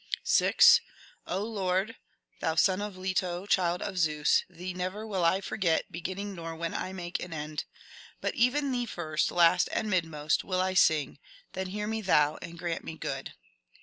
6. '* O Ix>rd, [thon son of Leto, child of Zens], thee never Will I forget, beginning nor when I make an end ; BROWNING 21 But even thee first, last and midmost Will I sing : then hear me thou, and grant me good."